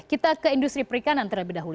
kita ke industri perikanan terlebih dahulu